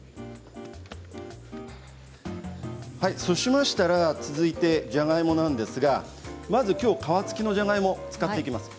そうしましたら続いてじゃがいもなんですがまず皮付きのじゃがいもを使っていきます。